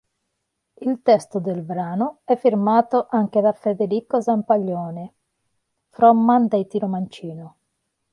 Il testo del brano è firmato anche da Federico Zampaglione, frontman dei Tiromancino.